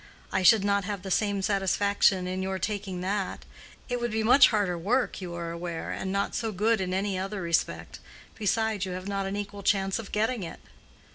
I should not have the same satisfaction in your taking that. It would be much harder work, you are aware, and not so good in any other respect. Besides, you have not an equal chance of getting it."